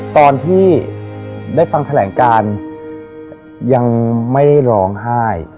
ตอนที่ได้ฟังแถลงการยังไม่ได้ร้องไห้